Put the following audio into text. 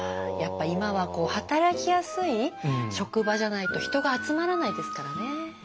やっぱ今は働きやすい職場じゃないと人が集まらないですからね。